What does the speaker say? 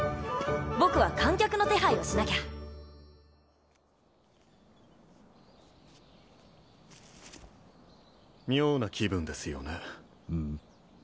僕は観客の手配をしなきゃ妙な気分ですよねうん？